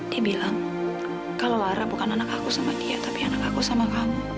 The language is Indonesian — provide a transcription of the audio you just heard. dia bilang kalau ara bukan anak aku sama dia tapi anak aku sama kamu